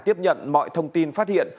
tiếp nhận mọi thông tin phát hiện